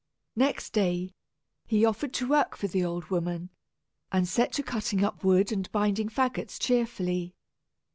Next day, he offered to work for the old woman, and set to cutting up wood and binding fagots cheerfully.